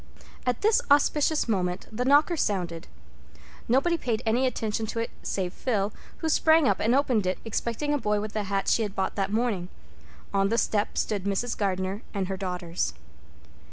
At this auspicious moment the knocker sounded. Nobody paid any attention to it save Phil, who sprang up and opened it, expecting a boy with the hat she had bought that morning. On the doorstep stood Mrs. Gardner and her daughters.